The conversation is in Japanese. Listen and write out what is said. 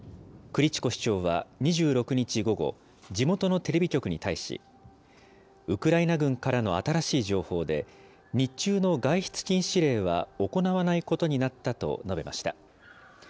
クリチコ市長は２６日午後、地元のテレビ局に対し、ウクライナ軍からの新しい情報で、日中の外出禁止令は行わないことになったと述べました。